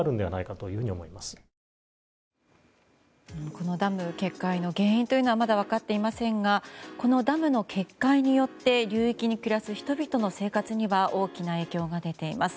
このダム決壊の原因はまだ分かっていませんがこのダムの決壊によって流域に暮らす人々の生活には大きな影響が出ています。